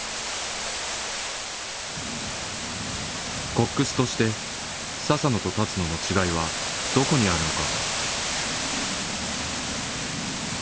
コックスとして佐々野と立野の違いはどこにあるのか。